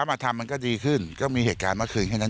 แล้วถ้าพระมาทำก็ดีขึ้นก็มีเหตุการณ์เมื่อคืนให้นั่นเอง